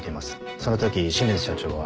その時清水社長は。